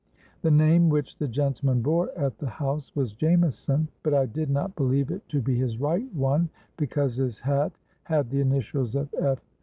The name which the gentleman bore at the house was Jameson; but I did not believe it to be his right one, because his hat had the initials of F.